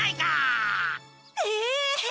え！？